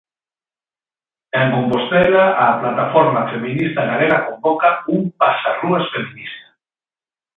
En Compostela, a Plataforma Feminista Galega convoca un 'pasarrúas feminista'.